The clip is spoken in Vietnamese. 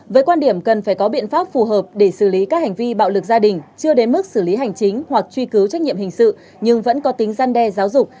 với quan điểm cần phải có biện pháp phù hợp để xử lý các hành vi bạo lực gia đình chưa đến mức xử lý hành chính hoặc truy cứu trách nhiệm hình sự nhưng vẫn có tính gian đe giáo dục